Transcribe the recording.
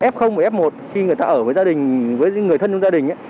f và f một khi người ta ở với gia đình với những người thân trong gia đình